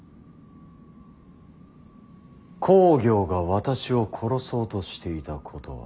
公暁が私を殺そうとしていたことは